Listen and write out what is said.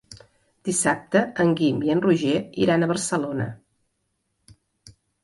Dissabte en Guim i en Roger iran a Barcelona.